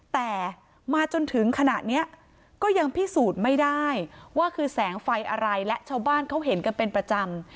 แต่มาจนถึงขณะนี้ก็ยังพิสูจน์ไม่ได้ว่าคือแสงไฟอะไรและชาวบ้านเขาเห็นกันเป็นประจำ